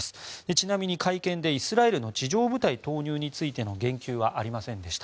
ちなみに会見でイスラエルの地上部隊投入についての言及はありませんでした。